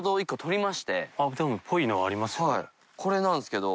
これなんですけど。